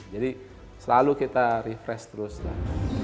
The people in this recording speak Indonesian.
jadi selalu kita refresh terus lah